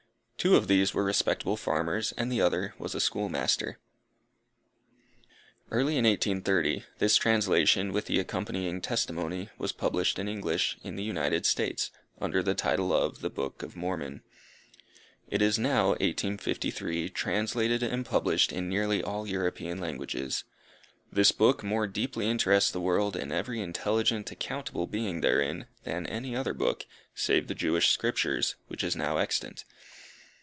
Two of these were respectable farmers, and the other was a school master. Early in 1830, this translation with the accompanying testimony, was published in English, in the United States, under the title of the Book Of Mormon. It is now, 1853, translated and published in nearly all European languages. This book more deeply interests the world, and every intelligent, accountable being therein, than any other book, save the Jewish Scriptures, which is now extant.